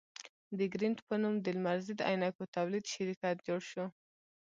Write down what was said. د ګرېنټ په نوم د لمر ضد عینکو تولید شرکت جوړ شو.